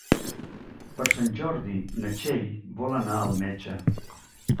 Per Sant Jordi na Txell vol anar al metge.